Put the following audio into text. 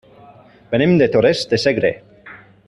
Venim de Torres de Segre.